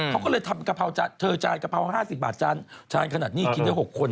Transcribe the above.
เขาก็เลยทำกะเพราจานเธอจานกะเพรา๕๐บาทจานจานขนาดนี้กินได้๖คน